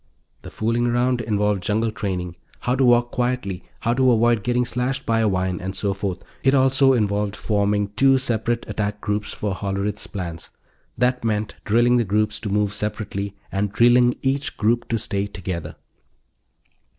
The "fooling around" involved jungle training how to walk quietly, how to avoid getting slashed by a vine, and so forth. It also involved forming two separate attack groups for Hollerith's plans. That meant drilling the groups to move separately, and drilling each group to stay together.